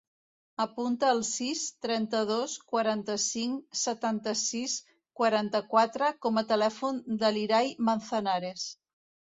Apunta el sis, trenta-dos, quaranta-cinc, setanta-sis, quaranta-quatre com a telèfon de l'Irai Manzanares.